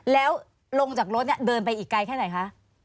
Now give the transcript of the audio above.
แล้วลงจากรถเนี่ยเดินไปอีกไกลแค่ไหนคะ